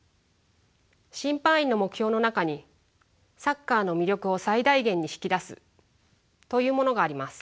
審判員の目標の中に「サッカーの魅力を最大限に引き出す」というものがあります。